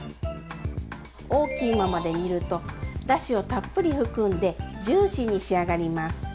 大きいままで煮るとだしをたっぷり含んでジューシーに仕上がります！